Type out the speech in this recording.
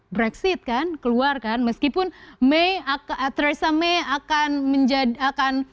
brexit kan keluar kan meskipun theresa may akan menjadi akan